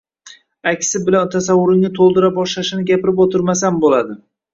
aksi bilan tasavvuringni to‘ldira boshlashini gapirib o‘tirmasam bo‘ladi.